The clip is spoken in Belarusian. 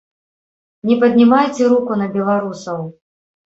Не паднімайце руку на беларусаў.